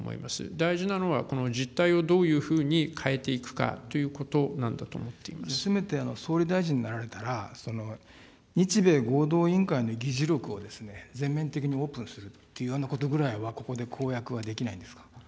大事なのは、この実態をどういうふうに変えていくかということなんだと思ってせめて総理大臣になられたら、日米合同委員会の議事録を全面的にオープンにするということぐらいは、ここで公約はできないんですか。